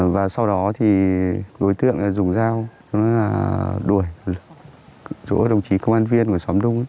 và sau đó thì đối tượng dùng dao đuổi chỗ đồng chí công an viên của xóm đông